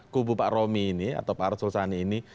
kubu pak romi ini atau pak arus sulsani ini